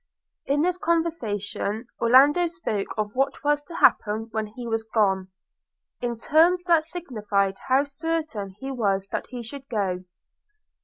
In this conversation Orlando spoke of what was to happen when he was gone, in terms that signified how certain he was that he should go.